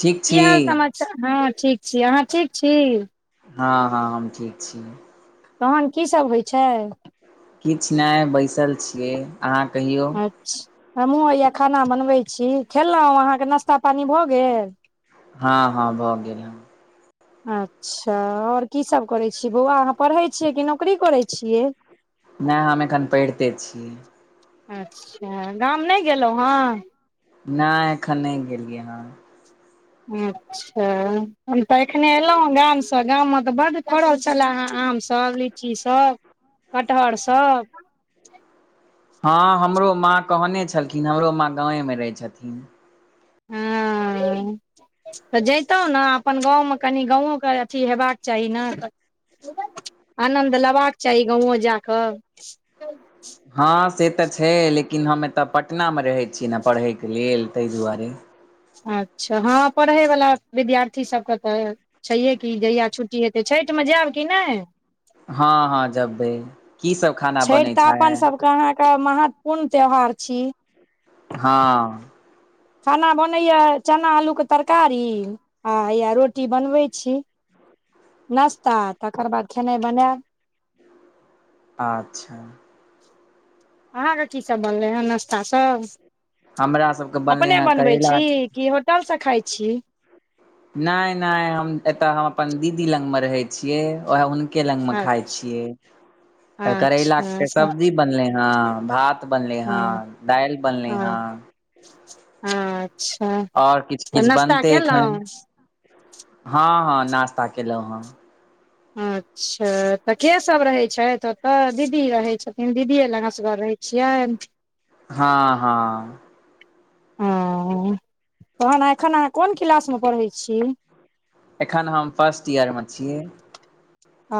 ठीक की छी हाल समाचार ठीक छी अहाँ ठीक छी हँ हँ हम ठीक छी तहन की सभ होइ छै किछ नाए बैसल छियै अहाँ कहियौ हमहुँ हइया खाना बनबैत छी खेलहुँ अहाँके नाश्ता पानी भऽ गेल हँ हँ भऽ गेल ह [unintelligible] अच्छ और की सभ करैत छीयै बौआ अहाँ पढ़ै छियै कि नौकरी करैत छियै नाए हम एखन पैढ़ते छीयै अच्छ गाम नहि गेलहुँ हँ नहि एखन नहि गेलियै हँ [inaudible] अचछा हम तऽ एखने एलहुँ गाम से गाम मे तऽ बड फड़ल छलए हे आम सभ ल लीची सभ कटहर सब हँ हमरो माँ कहने छलखिन हमरो माँ गाँव रहै छथिन [inaudible] तऽ जैतहुँ ने अपन गाँव मे कनि गाँव के अथी हेबाक चाहि ने आनन्द लेबाक चाहि गाँवो जा कऽ [inaudible] हँ से तऽ छै लेकिन हम एतय पटनामे रहैत छिए ने पढ़ैके लेल ताहि दुआरे अच्छ हँ पढ़ैवला विद्यार्थी सभके तऽ छैहे कि जहिया छुट्टी हेतै छैठमे जायब कि नहि हँ हँ जबै की सब खाना छठि बनै तऽ अपन छैे सभके अहाँके महत्वपूर्ण त्यौहार छी हँ खाना बनैया चना आलू के तरकारी आ हैा रोटी बनबैत छी नाश्ता तकर बाद खेनाइ बनायब अच्छ अहाँके की सब बनलै हँ नाश्ता सब हमरा सबके [unintelligible] बनलै अपने हेँ बनबै छी करैला की होटल से खाए छी नहि नहि हम एतय हम अपन दीदी लगमे रहै छियै ओएह हु हिनके लग मे खााय छियै तऽ करैला के अच्छा सब्जी बनले ह भात बनले हँ दाल बनलै हे अच्छ आओर किछु तऽ किछु नाश्ता बनतै केलहुँ एखन हँ हँ नास्ता केलहुँ हँ अच्छ तऽ के सब रहै छै ओतऽ दीदी रहे छथिन दीदीे लगसगर रहे [inaudible] हँ हँ [unintelligible] तहन एखन अहाँ कोन क्लास पढ़ै छी एखन हम फर्स्ट ईयरमे छियै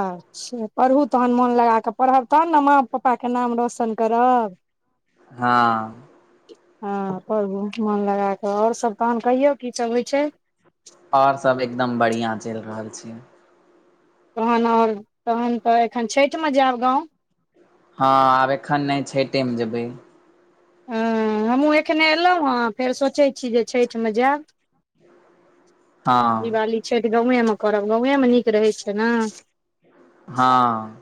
अच्छा पढ़ू तहन मोन लगा कऽ पढ़ब तहन ने माँ पप्पा के नाम रौशन करब [unintelligible] हँ हँ पढूं मोन लगा कऽ और सब तहन कहियौ की सब होइ छै और सब एकदम बढ़िआँ चलि रहल छै तखन और तहन तऽ एखन छठ मे जायब गाँव हँ आब एखन नहि छठ म जेबै हँ हमहूँ एखने एयलहुँ ह फेर सोचैत छी जे छठ मे जायब [inaudible] दिवाली छठि गाँवएमे करब गाँवएमे नीक रहै छै ने हँ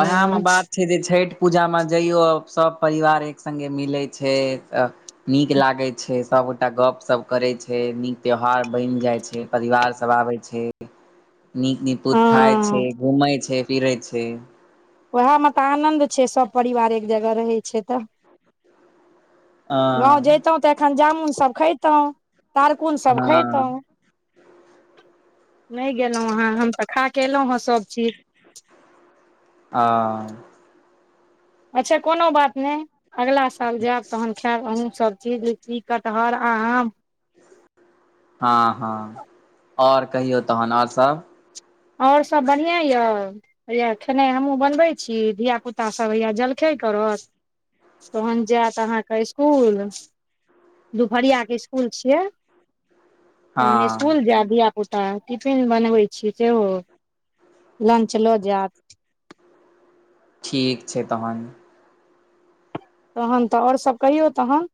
ओह मे बात छै जे छठि पूजामे जइयऔ सभ परिवार एक संगे मिलै छै नीक लागे छै सब एकटा गप सप करै छै नीक त्यौहार बनि जाय छै परिवार सब आबै छै नीक निकुत खााय हँ छै घूमै छै फिरै छै ओएहमे तऽ आनंन्द छै सभ परिवार एक जगह रहै छै तऽ अ गाँव जैतहुँ तऽ एखन जामुनसभ खयैतहुँ तारकुनसभ हँ खैतहुँ नहि गेलहुँ हँ आहाँ हम तऽ खा कऽ एलहुँ हेँ सभ चीज आ अच्छा कोनो बात नई अगला साल जायब तहन खायब अहूँ सभ चीज लीची कटहर आम हाँ हाँ और कहियौ तहन और सभ और सब बढ़िआँ यए हैया खेनाइ हमहूँ बनबैत छी धिया पुता सभ हैया जलखै करत तहन जैत अहाँ के स्कूल दुपहरिआ कऽ स्कूल छियै हँ तहन स्कुल जैत धिआ पुता टिफिन बनबै छी सेहो लंच लऽ जायत ठीक छै तहन तहन तऽ और सब कहियौ तहन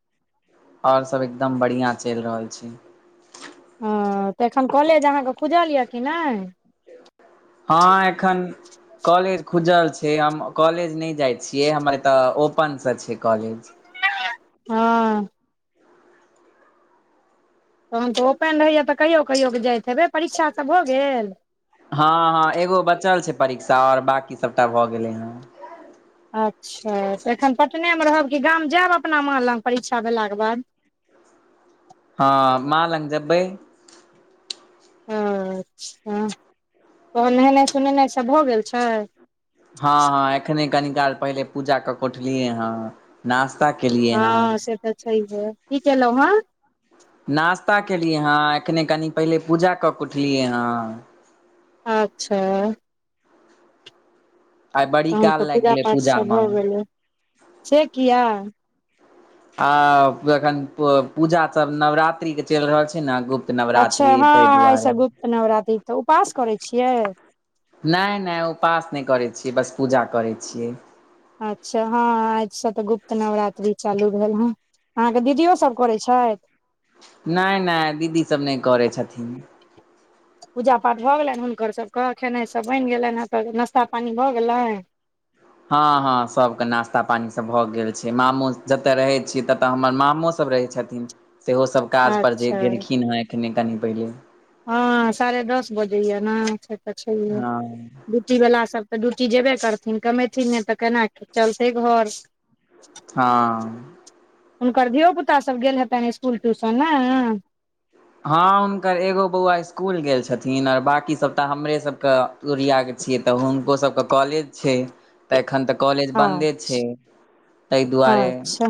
और सभ एकदम बढ़िआँ चलि रहल छै हँ तऽ एखन कॉलेज अहाँके खुजल यऽ कि नहि हँ एखन कॉलेज खुजल छै हम कॉलेज नहि जाइ छियै हमर एतय ओपनसँ छै कॉलेज हँ तहन तऽ ओपन रहैएा तऽ कहियओ कहियओ क जाइत हेबै परीक्षा सब भऽ गेल हँ हँ एगो बचल छै परीक्षा आऔर बाकी सबटा भए गेले हेँ अच्छा तऽ एखन पटने में रहब कि गाम जायब अपना माँ लग परीक्षा भेला के बाद हाँ माँ लग जेबै ओ अच्छा तहन नहेनाइ सोनेनाइ सब भऽ गेल छै हाँ हाँ एखने कनी काल पहिले पूजा कऽ कऽ उठलियै ह नास्ता केलियए हँ ओ तऽ छैए की कलहुँ हँ नास्ता केलियै हँ एखने कनि पहिले पूजा कऽ कऽ उठलियै हँ अच्छा आइ बड़ी तहन काल तऽ लागि पूजा गेलै पाठ सब पूजामे भऽ गेलै से किया आ एखन पूजा सभ नवरात्रि के चलि रहल छै न गुप्त नवरात्रि ताहि दुआरे तऽ नवरात्रि तऽ उपास करै छियै नय नय उपास नहि करैत छियै बस पूजा करैत छियै अच्छा हाँ आज सँ तऽ गुप्त नवरात्रि चालू भेल हँ अहाँ के दीदियो सब करैत छैथ नय नय दीदी सभ नहि करैत छथिन पूजा पाठ भऽ गेलनि हुनकर सभ के खेनाइ सभ बनि गेलनिहेँ तऽ नास्ता पानी भऽ गेलनि हाँ हाँ सभ कऽ नाश्ता पानी सभ भऽ गेल छै, मामो जते रहे छीय तऽ हमर मामो। सभ रहै छथिन, सेहोसभ काज पर जे अच्छा गेलखिन हे एखने कनि पहिले। ह, साढ़े दस बजेय ने छै, तऽ छैह। हँ ड्यूटी वाला सभ तऽ ड्यूटी जेबे कथिन कमेथिन ने तऽ केना चलतै घर। ह। हुनकर धियोपुता सभ गेल हेतनि स्कूल ट्यूशन ने हूँ, हुनकर एगो बौआ स्कुल गेल छथिन और, अओर बाकी सभ हमरे सभ के तुरिआ के छियै तऽ हुनको सभके कॉलेज छै। तऽ एखन त कॉलेज हँ बन्दे छै, ते दुआरे अच्छा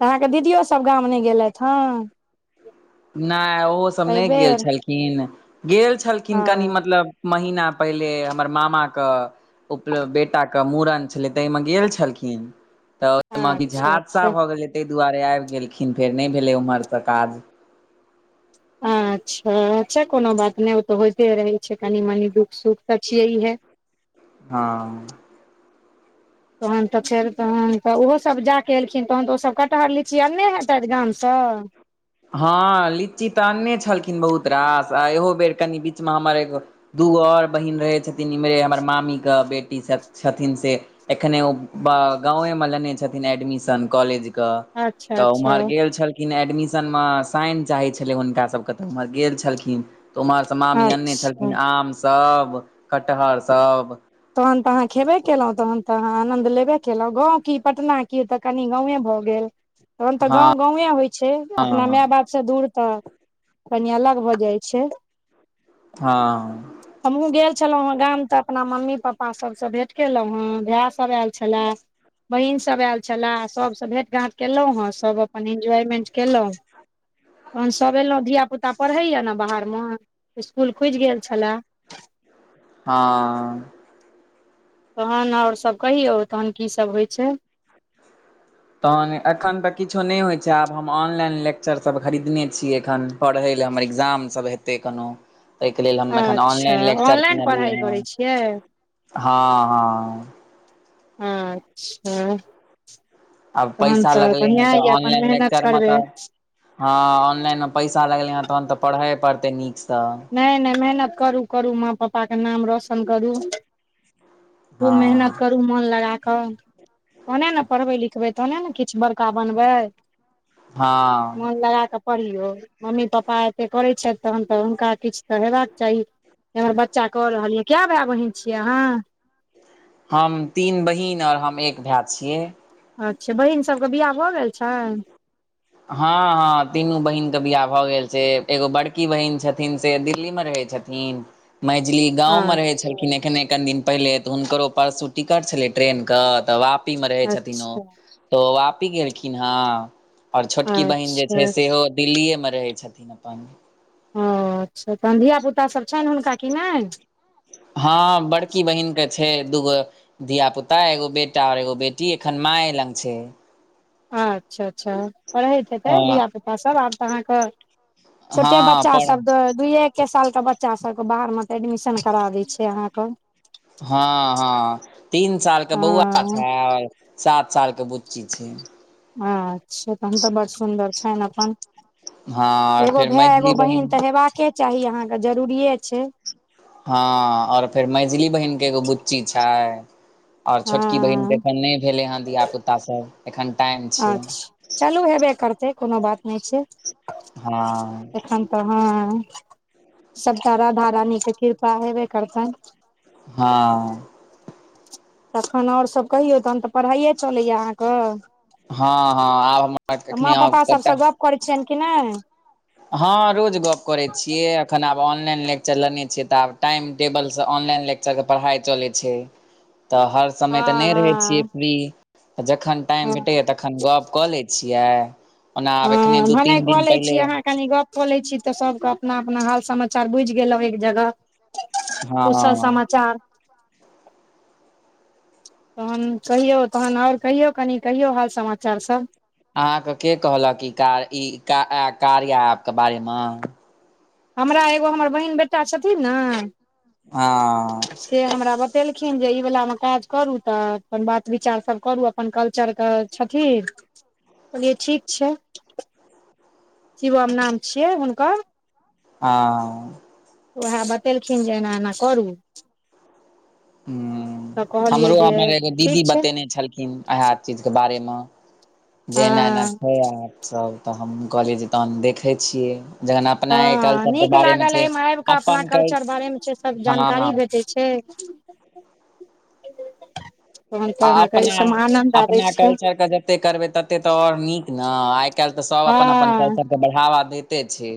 तऽ अहाँकेँ दीदियो सभ गाम नही गेलथि हे। नहि ओहो सभ नय गेल बेर छलखिन गेल छलखिन क हँ मतलब। महिना पहिले हमर मामा कऽ। उपलब बेटाके मूड़न छलै ताहिमे गेल छलखिन। तऽ ओहि लमे किछु अच्छा हादसा अच्छा भऽ गेलै ताहि दुआरे आबि गेलखिन फेर नहि भेलै ओम्हर तऽ काज। अच्छा, अच्छा, कोनो बात नहि ओ तऽ होइते रहे छै। कनी मनी दुख सुख तऽ छियै हे। हँ। तहन त फेर तहन तऽ ओहोसभ जाकऽ एलखिन तहन तऽ ओसभ कटहर लीची आरने हेतथि गाम सँ हँ, लीची त अन्ने छलखिन बहुत रास आ इहो बेर कनि बीचमे हमर एगो दूगो आओर बहीन रहै छथिन, इम्हरे हमर मामी के बेटी छथिन सँ एखने ओ गावे मे लेने छथिन एडमिशन कॉलेज। अच्छा तऽ अच्छा उम्हर गेल छल। लेकिन एडमिशनमे साइन चाहै छलै हुनका सभके तऽ ओम्हर गेल छलखिन तऽ ओम्हर। मामी अन्ने अच्छा छलखिन आम सभ कटहर सभ। तहन तऽ अहाँ खेबे केलहुँ तहन तऽ अहाँ आनंन्द लेबे केलहुँ गाव कि पटना कि त। कनि गावे भऽ गेल तहन तऽ हँ गाव गावे होइ छै, अपना हँ माय बाप। से दूर तऽ कनी अलग भऽ जाइ छै। हँ। हमहुँ गेल छलू गाम तऽ अपना मम्मी पप्पा सभसँ भेट केलहुँ हे भैय सभ आयल छलए बहिन सभ आयल छला सभसँ भेट घांट केलो हे सभ अपन एंजॉयमेंट केलहु। ह। तहन सभ एलहुँ धियापुता पढ़ैया ने बाहर मे स्कुल खुजि गेल छलए। हाँ। तहन आओर सभ कहियौ तहन कि सभ होय छै। तहन एखन तऽ किछो नहि होइ छै, आब हम ऑनलाइन लेक्चर सभ खरीदने छी एखन पढ़ै लए हमर इग्जाम सभ हेतै कोनो। ताहिके लेलऽ हम एखन अच्छा ऑनलाइन लेक्चर ऑनलाइन कीनलियन पढ़ाइ हँ, करै छियै हँ, हँ। अच्छा। आब तहन पैसा तऽ लगलै हेँ बढ़िआ तऽ यए अपन ऑनलाइन मेहनत लेक्चरमे करबै। तऽ हँ, ऑनलाइन मे पैसा लगलै हँ तहन तऽ पढ़े पड़ते नीक सँ। नहि नहि मेहनत करू करू माँ पप्पा के नाम रौशन करू। खूब हँ मेहनत करू मोन लगा कऽ। तहने ने पढ़बै लिखबै तहने किछु बड़का बनबै। हँ। मोन लगा कऽ पढ़ियौ मम्मी पापा एते करे छथि तहन तऽ हुनका। किछ तऽ हयबाक चाही जे हमर बच्चा कऽ रहल यऽ कए भाय बहिन छियै अहाँ हम तीन बहिन आओर हम एक भाय छियै अच्छा बहिन सभके बियाह भऽ गेल छैनय हँ हँ तीनू बहिनके बियाह भऽ गेल छै एगो बड़की बहिन छथिन से दिल्ली मे रहै छथिन मजली गाँव में रहे छलखिन एखने कनि दिन पहिले तऽ हुनकरो परसू टिकट छलै ट्रेनके तऽ वापीमे रहै छथिन ओ अच्छा तऽ ओ वापि गेलखिन हँ आओर छोटकी बहिन जे अच्छा छै सेहो दिल्लीए मे रहै छथिन अपन अच्छा तहन धियापुता सब छनि हुनका की नहि हँ बड़की बहिनके छै दूगो धिया पुता एगो बेटा ओर एगो बेटी एखन माऐ लग छै अच्छा अच्छा पढ़ैत हेतै अ धियापुतासभ आब तऽ अहाँक हँ छोटे बच्चा पर सब त दूइय एकके सालके बच्चा सभके बाहरमे तऽ एडमिशन करा दै छै अहाँकेँ हँ हँ तीन साल के बौआ हँ छै सात सालके बुच्ची छै अच्छा तहन तऽ बड़ सुन्दर छनि अपन हँ एगो फेर भाय मझली एगो बहिन तऽ हेबाक चाही अहाँके जरूरीये छै हँ और फेर मझली बहिन के एगो बुच्ची छै और छोटकी बहिन के हँ एखन नहि भेले हेँ धिय पुता सब एखन टाईम अच्छा चलू हेबे करतै कोनो बात नहि छै हँ एखन तऽ हँ सभटा राधा रानीके कृपा हेबे करतनि हँ तखन ओरसभ कहियौ तखन तऽ पढ़ाईए चलैए अहाँके हँ हँ आब हमरा अखनी क करे छिये कि नहि हँ रोज गप करैत छियै एखन आब ऑनलाइन लेक्चर लेने छियै तऽ आब टाइम टेबलसँ ऑनलाइनेक बच्चाके पढ़ाइ चलैत छै तऽ हर समय तऽ हँ नहि रहे छियै हँ फ्री जखन टाइम हँ भेटैया तखन एखन गप कऽ लै छियै ओना आब एखने दू तीन दिन पहिले बात क लै छी तऽ सबके अपना अपना हाल समाचार बुझि गेलहु एक जगह हँ कुशल समाचार तहन कहियौ तहन ओर कहियौ कनि कहियौ हाल समाचार सब अहाँके के कहलक ई कार्या ई कार्या ऐप्प क बारेमे हमरा एगो हमर बहिन बेटा छथिन न हँ से हमरा बतेलखिन जे ई वलामे काज करू तऽ अपन बात विचारसभ करू अपन कल्चरके छथिन कहलियै ठीक छै शिवम नाम छियै हुनकर हँ उएह बतेलखिन जे एना एना करू हू तऽ कहलियै हमरो जे हमर एगो ठीक दीदी छै बतेने छलखिन इहा चीज के बारे मे जे एना एना हँ छै ऐप्प सभ तऽ हमँ कहलियै जे तहन देखै छियै जखन अपना हँ कल्चरके नीक बारेमे लागल छै एहिमे आबि कऽ अपना अपन कल कल्चर बारे मे छै सब जानकारी हँ भेटैत छै छै तन आ तऽ अहाँके ई सब आन्नद आबै छै जतेक करबै ततेक तऽ आओर नीक न आय काल्हि तऽ सभ हँ अपन अपन कल्चरके बढ़ावा दैते छै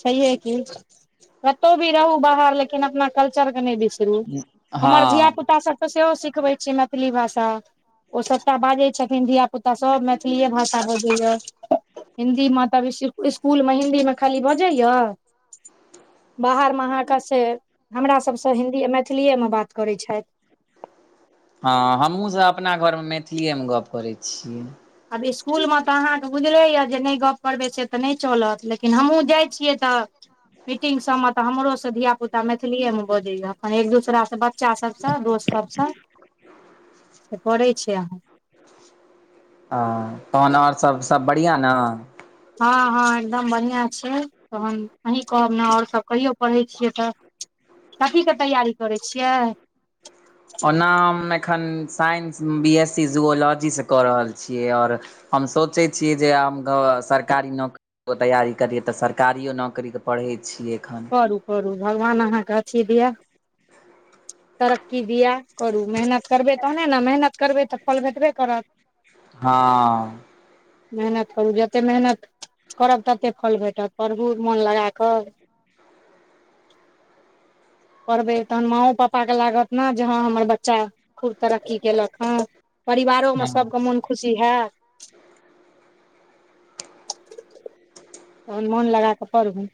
छैहे की कतहु भी रहु बाहर लेकिन अपना कल्चर के नहि बिसरू हमर हँ धियापुता सबके तऽ सेहो सिखबै छियै मैथिली भाषा ओ सभटा बाजै छथिन धिया पुता सभ मैथिलीए भाषा बजैय हिन्दीमे तब स्कुल में हिन्दीमे खाली बजैय बाहरमे अहाँके से हमरासबसँ हिन्दी मैथिलिएमे बात करैत छथि हँ हमहुँसभ अपना घरमे मैथिलिएमे गप करैत छियै आब स्कुलमे तऽ अहाँके बुझले य जे नहि गप्प करबै से तऽ नहि चलत लेकिन हमहूँ जाय छियै तऽ मीटिंग सब मे तऽ हमरो से धिया पुता मैथिलीेए में बजै या अपन एक दोसरा से बच्चा सभसँ दोस्त सभसँ करै छै अहाँ ह तहन आओर सब सब बढ़िआं न हँ हँ एकदम बढ़िआँ छै तहन अहीँ कहब ने आओर सभ कहियौ पढ़ै छियै तऽ कथीके तैयारी करै छियै ओना हम एखन साइंस बी एस सी जुओलॉजीसँ कऽ रहल छियै आओर हम सोचै छियै जे आ घ सरकारी नौकरी तैयारी करियै तऽ सरकारियो नौकरीके पढ़ै छियै एखन करू करू भगवान अहाँके अथी दिअ तरक्की दिया करू मेहनत करबै तहने न मेहनत करबै तऽ फल भेटबे करत हँ मेहनत करू जत्ते मेहनत करब ततेक फल भेटत परहु मोन लगाकऽ पढ़बै तहन माँओ पापाके लागत न जे हँ हमर बच्चा खूब तरक्की केलक हँ परिवारोमे हँ सभके मोन खुशी हे तहन मोन लगा कऽ परहु